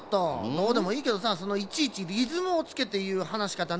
どうでもいいけどさそのいちいちリズムをつけていうはなしかた